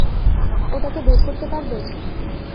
ওটাকে বের করতে পারবে?